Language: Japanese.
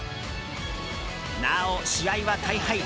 なお、試合は大敗。